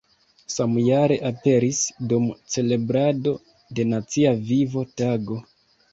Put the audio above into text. Samjare aperis dum celebrado de Nacia Vivo-Tago.